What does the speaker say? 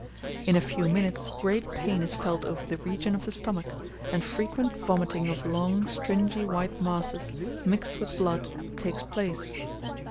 In a few minutes great pain is felt over the region of the stomach, and frequent vomiting of long, stringy white masses, mixed with blood, takes place.